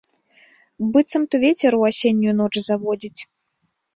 Быццам то вецер у асеннюю ноч заводзіць.